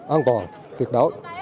an toàn tuyệt đối